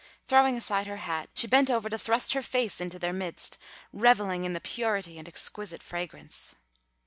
Throwing aside her hat, she bent over to thrust her face into their midst, revelling in the purity and exquisite fragrance.